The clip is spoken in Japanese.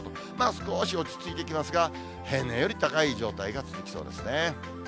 少し落ち着いてきますが、平年より高い状態が続きそうですね。